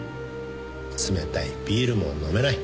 冷たいビールも飲めない。